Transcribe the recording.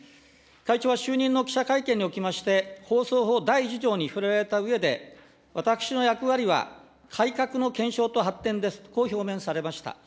会長は就任の記者会見におきまして、放送法第１条に触れられたうえで、私の役割は改革の検証と発展ですと、こう表明されました。